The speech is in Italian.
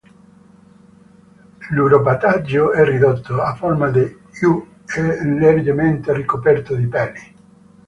L'uropatagio è ridotto, a forma di U e leggermente ricoperto di peli.